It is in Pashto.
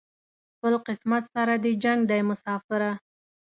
خپل قسمت سره دې جنګ دی مساپره